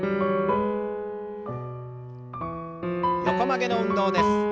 横曲げの運動です。